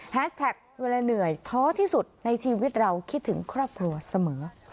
แท็กเวลาเหนื่อยท้อที่สุดในชีวิตเราคิดถึงครอบครัวเสมอ